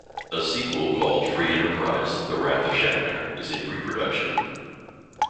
A sequel called ""Free Enterprise: The Wrath of Shatner"" is in pre-production.